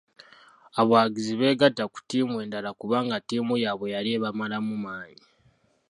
Abawagizi beegatta ku ttiimu endala kubanga ttiimu yaabwe yali ebamalamu maanyi.